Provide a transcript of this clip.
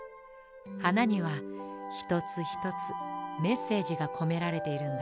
はなにはひとつひとつメッセージがこめられているんだ。